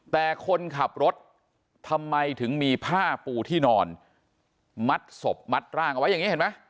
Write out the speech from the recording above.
แต่คนขับรถทำไมถึงมีผ้าปูที่นอนมัดศพมัดร่างเอาไว้อย่างนี้เห็นไหม